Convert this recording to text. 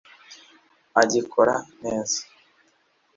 agikora neza